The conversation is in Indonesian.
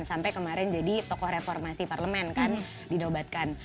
sampai kemarin jadi tokoh reformasi parlemen kan dinobatkan